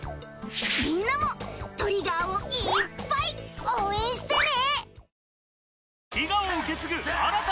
みんなもトリガーをいっぱい応援してね！